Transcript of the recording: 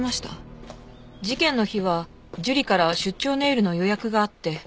事件の日は樹里から出張ネイルの予約があって。